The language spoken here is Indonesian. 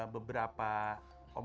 beberapa obrolan kita dalam hal ini